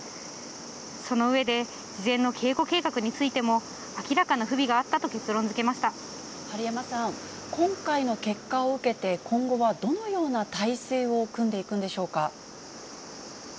その上で、事前の警護計画についても、明らかな不備があったと結論づけ治山さん、今回の結果を受けて、今後はどのような体制を組んでいくんでしょうか。